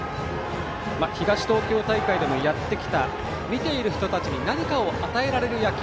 東東京大会でもやってきた見ている人たちに何かを与えられる野球。